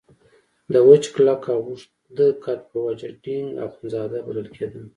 د وچ کلک او اوږده قد په وجه ډینګ اخندزاده بلل کېده.